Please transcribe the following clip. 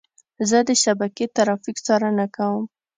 زه د شبکې ترافیک څارنه کوم.